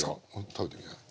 食べてみなよ。